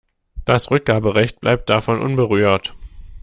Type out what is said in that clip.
Das Rückgaberecht bleibt davon unberührt.